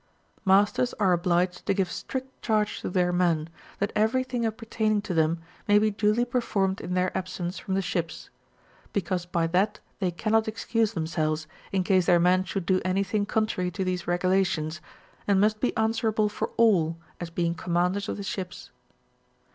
Masters are obliged to give strict charge to their men, that every thing appertaining to them may be diSy perrormed in their absence from the ships ; because by that they cannot excuse themselves, in case their men should do any thing contrary to these R^ulations, and must be answerable for all, as being commanders of the ships.